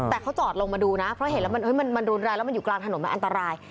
แต่เขาจอดลงมาดูนะเพราะเห็นแล้วมันรุนแรงแล้วมันอยู่กลางถนนมันอันตราย